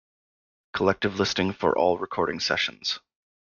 Collective listing for all recording sessions.